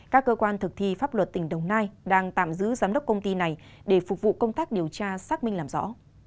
các cơ quan thực thi pháp luật tỉnh đồng nai đang tạm giữ giám đốc công ty này để phục vụ công tác điều tra xác minh làm rõ